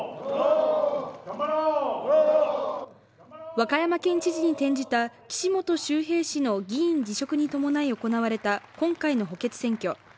和歌山県知事に転じた岸本周平氏の議員辞職に伴い行われた今回の補欠選挙。